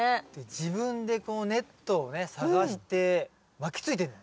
自分でこうネットをね探して巻きついてんの。